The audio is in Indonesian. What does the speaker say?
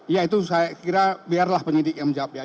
ya itu saya kira biarlah penyidik yang menjawab ya